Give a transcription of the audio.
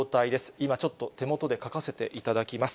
今、ちょっと手元で書かせていただきます。